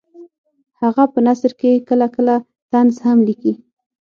هغه په نثر کې کله کله طنز هم لیکي